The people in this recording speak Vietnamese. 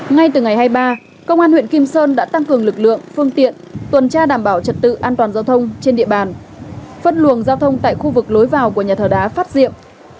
ngay từ ngày hai mươi ba công an huyện kim sơn đã tăng cường lực lượng phương tiện tuần tra đảm bảo trật tự an toàn giao thông trên địa bàn phân luồng giao thông tại khu vực lối vào của nhà thờ đá phát diệm